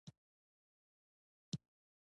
استاد د عقل، صبر او پوهې سمبول دی.